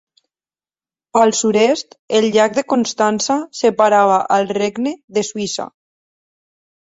Al sud-est, el llac de Constança separava al regne de Suïssa.